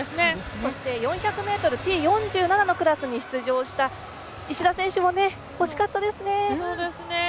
そして４００ｍＴ４７のクラスに出場した石田選手も惜しかったですね。